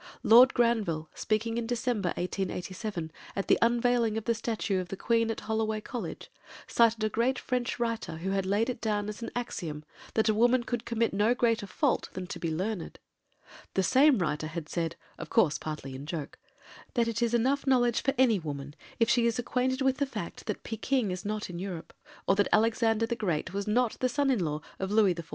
Lord Granville, speaking in December 1887, at the unveiling of the statue of the Queen at Holloway College, cited a great French writer who had laid it down as an axiom that a woman could commit no greater fault than to be learned; the same writer had said—of course partly in joke—that it is enough knowledge for any woman if she is acquainted with the fact that Pekin is not in Europe, or that Alexander the Great was not the son in law of Louis the XIV.